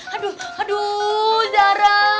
aduh aduh zara